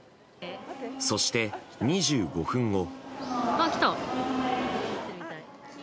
そして、２５分後。